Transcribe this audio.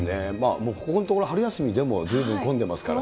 もう、ここのところ、春休みでもずいぶん混んでますからね。